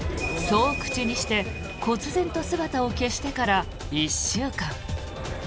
そう口にして、こつぜんと姿を消してから１週間。